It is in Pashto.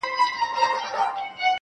څو مست لفظونه ستا له غزلزاره راوتلي_